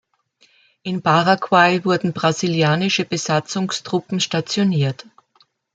In Paraguay wurden brasilianische Besatzungstruppen stationiert.